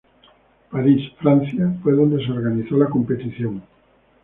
París, Francia, fue donde se organizó la competición.